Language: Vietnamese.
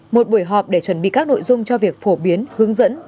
một buổi họp để chuẩn bị các nội dung cho việc phổ biến hướng dẫn